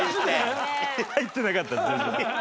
入ってなかった全然。